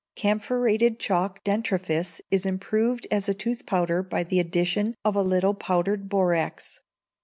Camphorated chalk dentrifice is improved as a tooth powder by the addition of a little powdered borax.